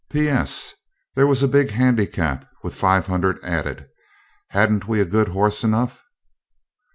'P.S. There was a big handicap, with 500 added; hadn't we a good horse enough?'